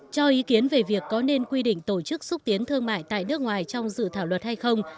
cho ý kiến về việc có nên quy định tổ chức xúc tiến thương mại tại nước ngoài trong dự thảo luật hay không